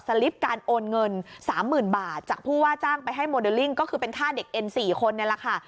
ลิปการโอนเงิน๓๐๐๐บาทจากผู้ว่าจ้างไปให้โมเดลลิ่งก็คือเป็นค่าเด็กเอ็น๔คนนี่แหละค่ะ